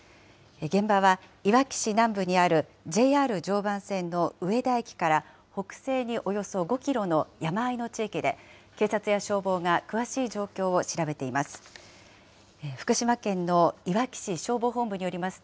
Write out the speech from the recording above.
現場はいわき市南部にあるＪＲ常磐線の植田駅から北西におよそ５キロの山あいの地域で、警察や消防が詳しい状況を調べています。